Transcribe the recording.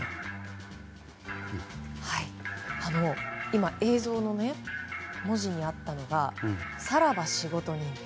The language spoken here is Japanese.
今、映像の文字にあったのがさらば仕事人。